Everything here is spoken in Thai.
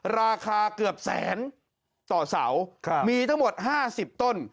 ราคาเกือบแสนต่อเสาครับมีทั้งหมดห้าสิบต้น